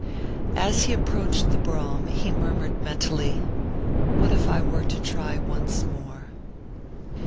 As he approached the brougham, he murmured mentally: "What if I were to try once more?"